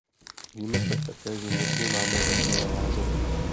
Víme však také, že někdy máme rozdílné názory.